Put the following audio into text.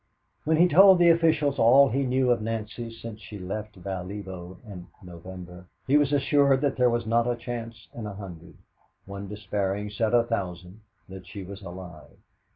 When he told the officials all he knew of Nancy since she left Valievo in November, he was assured that there was not a chance in a hundred one despairing official said a thousand that she was alive.